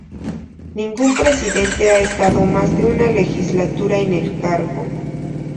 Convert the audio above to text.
Ningún presidente ha estado más de una legislatura en el cargo.